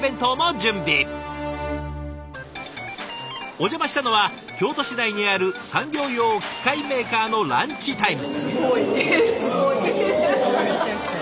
お邪魔したのは京都市内にある産業用機械メーカーのランチタイム。